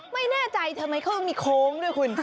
ไม่แน่ใจทำไมเขามีโค้งด้วยคุณ